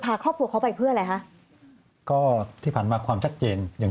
พาครอบครัวเขาไปเพื่ออะไรฮะก็ที่ผ่านมาความชัดเจนอย่าง